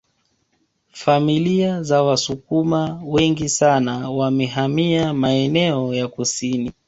Familia za Wasukuma wengi sana wamehamia maeneo ya kusini